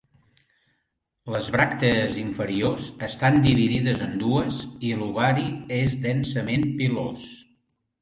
Les bràctees inferiors estan dividides en dues i l'ovari és densament pilós.